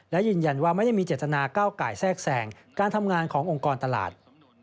และยืนยันว่าไม่ได้มีเจตนาก้าวไก่แทรกแสงการทำงานขององค์กรตลาด